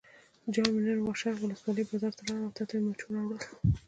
جان مې نن واشر ولسوالۍ بازار ته لاړم او تاته مې مچو راوړل.